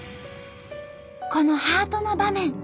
このハートの場面。